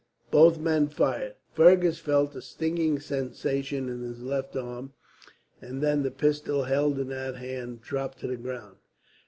Both men fired. Fergus felt a stinging sensation in his left arm, and the pistol held in that hand dropped to the ground.